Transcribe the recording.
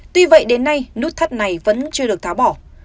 tuy vậy đến nay nút thắt này vẫn chưa được tháo bỏ